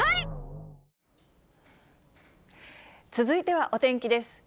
続いてはお天気です。